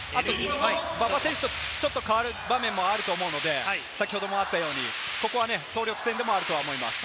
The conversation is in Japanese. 馬場選手とちょっと変わる場面もあると思うので、ここは総力戦でもあると思います。